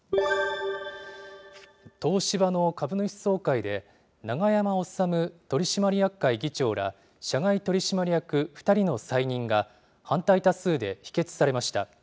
東芝の株主総会で、永山治取締役会議長ら社外取締役２人の再任が、反対多数で否決されました。